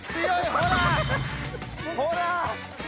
ほら。